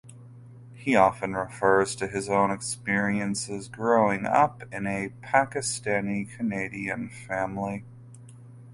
He often refers to his own experiences growing up in an Pakistani Canadian family.